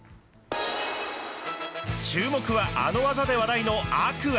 注目はあの技で話題の天空海。